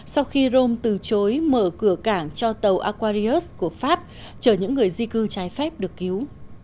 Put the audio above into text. sau khi rome từ chối mở cửa cảng cho tàu aquarius của pháp chờ những người di cư trái phép được cứu